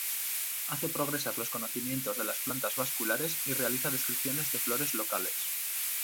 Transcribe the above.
Hace progresar los conocimientos de las plantas vasculares y realiza descripciones de flores locales.